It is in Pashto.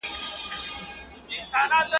o اوله گټه شيطان کړې ده.